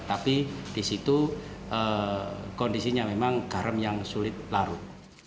tapi di situ kondisinya memang garam yang sulit larut